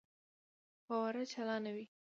فوارې چالانې وې.